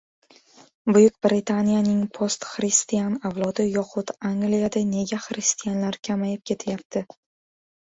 Buyuk Britaniyaning "post-xristian" avlodi yoxud Angliyada nega xristianlar kamayib ketyapti?